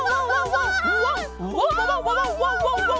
ワンワワンワワンワンワンワン！